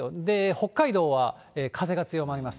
北海道は風が強まります。